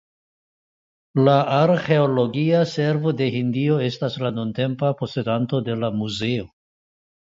La arĥeologia servo de Hindio estas la nuntempa posedanto de la muzeo.